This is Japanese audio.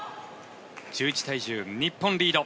１１対１０、日本リード。